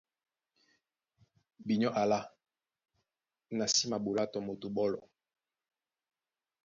Binyɔ́ alâ, na sí maɓolá tɔ moto ɓɔ́lɔ.